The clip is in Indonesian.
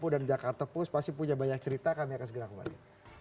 dan di jakarta pus pasti punya banyak cerita kami akan segera kembali